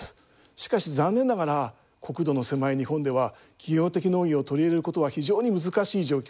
しかし残念ながら国土の狭い日本では企業的農業を取り入れることは非常に難しい状況です。